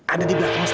ada di belakang saya